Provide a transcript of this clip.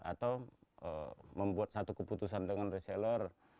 atau membuat satu keputusan dengan reseller